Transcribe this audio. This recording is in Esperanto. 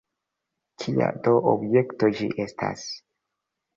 Kia do objekto ĝi estas?